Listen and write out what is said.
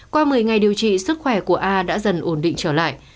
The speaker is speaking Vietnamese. qua một mươi ngày điều trị sức khỏe của a đã dần ổn định trở lại